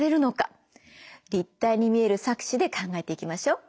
立体に見える錯視で考えていきましょう。